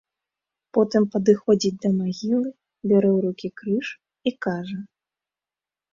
Потым падыходзіць да магілы, бярэ ў рукі крыж і кажа.